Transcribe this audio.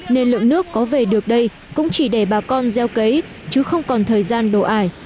nên lượng nước có về được đây cũng chỉ để bà con gieo cấy chứ không còn thời gian đổ ải